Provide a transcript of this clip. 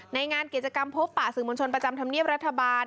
ในงานเกณฑกรรมท์พบบป่าสื่อมนชนประจำธรรเมียรัฐบาล